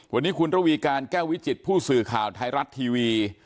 วันนี้คุณระวีการแก้ววิจิตผู้สื่อข่าวไทยรัฐทีวี